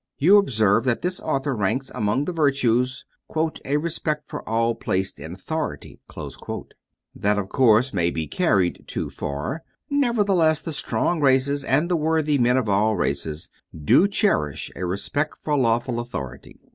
You observe that this author ranks among the virtues "a respect for all placed in authority." That, of course, may be carried too far; nevertheless, the strong races, and the worthy men of all races, do cherish a respect for lawful authority.